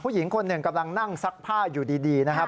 ผู้หญิงคนหนึ่งกำลังนั่งซักผ้าอยู่ดีนะครับ